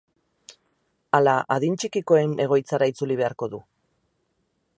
Ala adin txikikoen egoitzara itzuli beharko du?